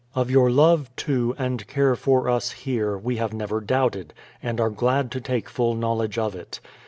Of your love, too, and care for us here, we have never doubted, and are glad to take full knowledge of it.